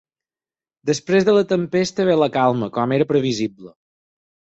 Després de la tempesta ve la calma, com era previsible.